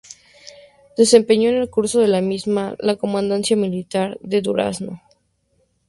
Desempeñó en el curso de la misma la Comandancia Militar de Durazno.